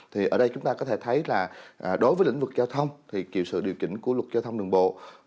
thì ở đây chúng ta có thể thấy là đối với lĩnh vực giao thông thì chịu sự điều chỉnh của luật giao thông đường bộ